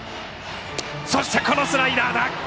そして、このスライダーだ！